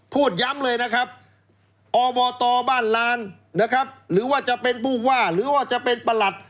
พูดย้ำเลยนะครับอบตบ้านลานนะครับหรือว่าจะเป็นผู้ว่าหรือว่าจะเป็นประหลัด